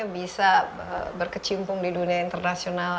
bisa berkecimpung di dunia internasional